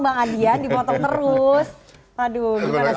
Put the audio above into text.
bang andian dimotong terus